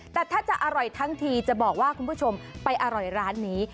แต่ถ้าจะอร่อยทั้งทีจะบอกว่าคุณผู้ชมไปอร่อยร้านนี้